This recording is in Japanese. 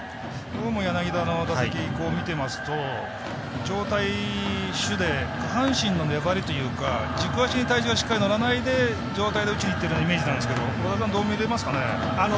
どうも柳田の打席見てますと上体、主で下半身の粘りというか軸足に体重がしっかり乗らないで上体で打ちにいっているイメージなんですけど和田さんはどう見てますかね。